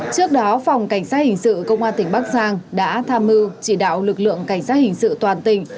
trước đó phòng cảnh sát hình sự công an tỉnh bắc giang đã tham mưu chỉ đạo lực lượng cảnh sát hình sự toàn tỉnh